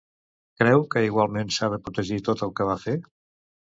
Creu que igualment s'ha de protegir tot el que va fer?